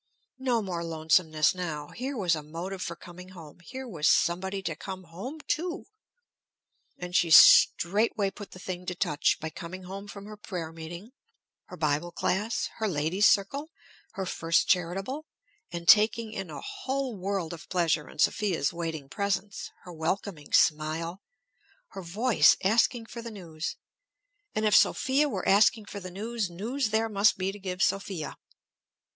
No more lonesomeness now. Here was a motive for coming home; here was somebody to come home to! And she straightway put the thing to touch, by coming home from her prayer meeting, her bible class, her Ladies' Circle, her First Charitable, and taking in a whole world of pleasure in Sophia's waiting presence, her welcoming smile, her voice asking for the news. And if Sophia were asking for the news, news there must be to give Sophia!